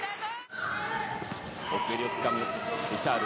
奥襟をつかむブシャール。